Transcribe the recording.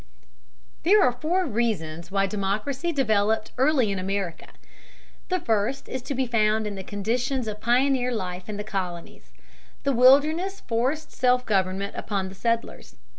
There are four reasons why democracy developed early in America. The first is to be found in the conditions of pioneer life in the colonies. The wilderness forced self government upon the settlers.